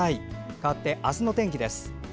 かわって、明日の天気です。